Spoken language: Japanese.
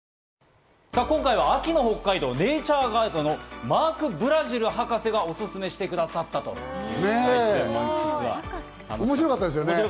今回は秋の北海道、ネイチャーガイドのマーク・ブラジル博士がお薦めしてくださったというこ面白かったですよね。